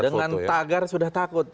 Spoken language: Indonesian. dengan tagar sudah takut